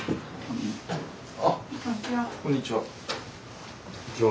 あっこんにちは。